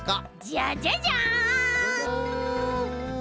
じゃじゃじゃん！